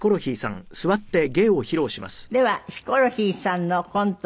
ではヒコロヒーさんのコント